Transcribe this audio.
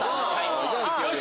よし！